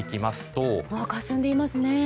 かすんでいますね。